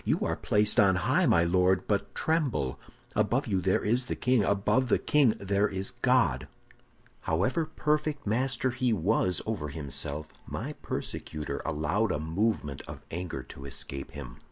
You are placed on high, my Lord, but tremble! Above you there is the king; above the king there is God!' "However perfect master he was over himself, my persecutor allowed a movement of anger to escape him.